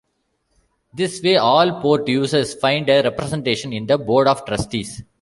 This way all port users find a representation in the Board of Trustees.